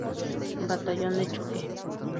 Batallón de Choque.